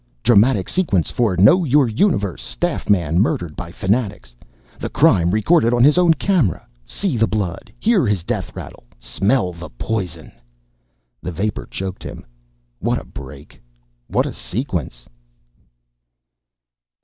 Dramatic sequence for Know Your Universe! Staff man murdered by fanatics! The crime recorded on his own camera! See the blood, hear his death rattle, smell the poison! The vapor choked him. _What a break! What a sequence!